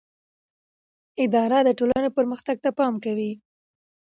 اداره د ټولنې پرمختګ ته پام کوي.